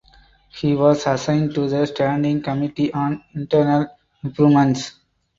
He was assigned to the standing committee on internal improvements.